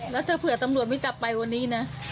แล้วถ้าเผื่อตำรวจไม่จับไปวันนี้นะ